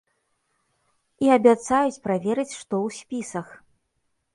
І абяцаюць праверыць, што ў спісах.